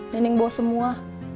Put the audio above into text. neneng bawa semua